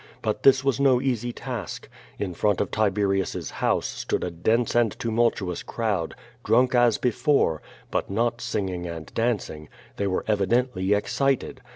But this was no easy task. In front of Tiberius*s house stood a dense and tumultuous crowd, drunk as before, but not singing and danc ing. They were evidently excited.